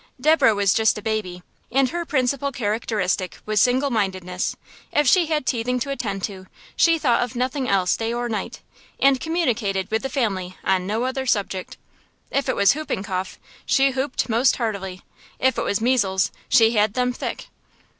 Deborah was just a baby, and her principal characteristic was single mindedness. If she had teething to attend to, she thought of nothing else day or night, and communicated with the family on no other subject. If it was whooping cough, she whooped most heartily; if it was measles, she had them thick.